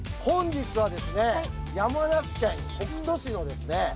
本日はですね山梨県北杜市のですね